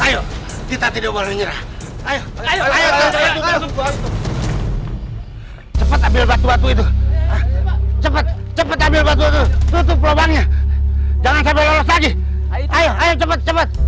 ayo kita tidak boleh ayo cepat ambil batu batu itu cepat cepat ambil batu itu tutup lubangnya jangan sampai lolos lagi ayo ayo cepat cepat